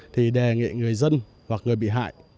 thì đề nghị người dân hoặc người bị hại